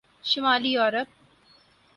شمالی یورپ